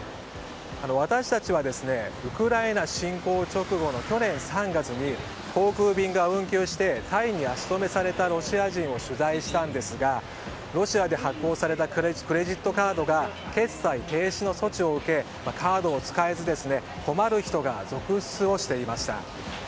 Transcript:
私たちはウクライナ侵攻直後の去年３月に航空便が運休してタイに足止めされたロシア人を取材したんですがロシアで発行されたクレジットカードが決済停止の措置を受けカードを使えず困る人が続出をしていました。